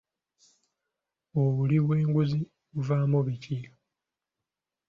Obuli bw'enguzi buvaamu biki?